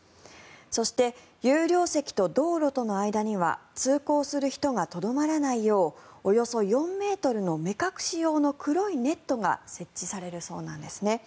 そして、有料席と道路との間には通行する人がとどまらないようおよそ４ｍの目隠し用の黒いネットが設置されるそうなんです。